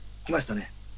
来ましたね。